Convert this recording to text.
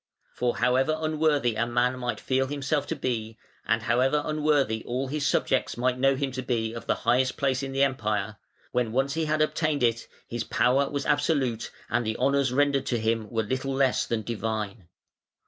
For however unworthy a man might feel himself to be, and however unworthy all his subjects might know him to be of the highest place in the Empire, when once he had obtained it his power was absolute and the honours rendered to him were little less than divine.